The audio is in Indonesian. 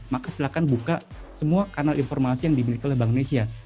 maka silakan buka semua kanal informasi yang dimiliki oleh bank indonesia